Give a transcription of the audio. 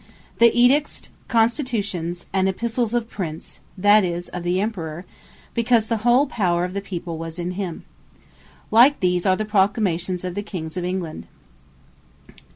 The Edicts, Constitutions, and Epistles Of The Prince, that is, of the Emperour; because the whole power of the people was in him. Like these, are the Proclamations of the Kings of England.